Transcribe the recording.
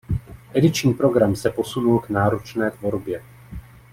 Ediční program se posunul k náročné tvorbě.